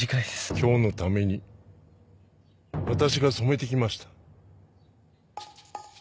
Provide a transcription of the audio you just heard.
今日のために私が染めて来ました。